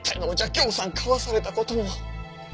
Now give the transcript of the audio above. ぎょうさん買わされた事も。